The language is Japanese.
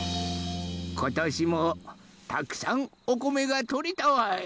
ことしもたくさんおこめがとれたわい。